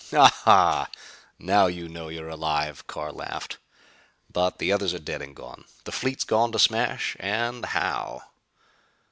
"Ah ha! Now you know you're alive!" Carr laughed. "But the others are dead and gone. The fleet's gone to smash and how!"